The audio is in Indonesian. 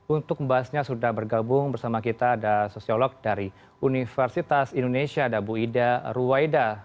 untuk membahasnya sudah bergabung bersama kita ada sosiolog dari universitas indonesia ada bu ida ruwaida